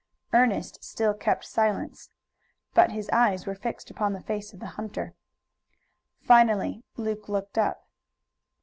Ernest still kept silence, but his eyes were fixed upon the face of the hunter. Finally Luke looked up.